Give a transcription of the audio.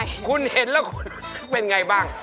แล้วคุณรู้สึกเป็นไงบ้าง